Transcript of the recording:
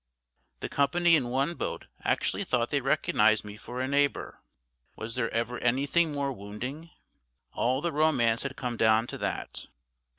The company in one boat actually thought they recognised me for a neighbour. Was there ever anything more wounding? All the romance had come down to that.